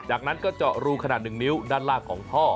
จากนั้นก็เจาะรูขนาด๑นิ้วด้านล่างของท่อ